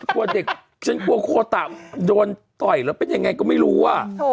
กลัวเด็กฉันกลัวโคตะโดนต่อยแล้วเป็นยังไงก็ไม่รู้อ่ะ